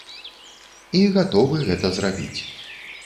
І гатовы гэта зрабіць.